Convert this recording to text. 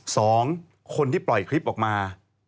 สองคนที่ปล่อยคลิปออกมา